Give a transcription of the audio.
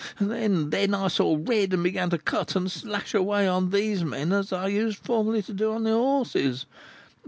Then, then, I saw red, and began to cut and slash away on these men as I used formerly to do on the horses.